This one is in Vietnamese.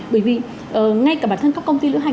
bởi vì ngay cả bản thân các công ty lữ hành